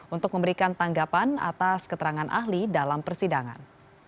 untuk memberikan tanggapan atas keterangan ahli dalam persidangan